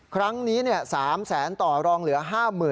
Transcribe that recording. ครั้งนี้๓แสนต่อรองเหลือ๕๐๐๐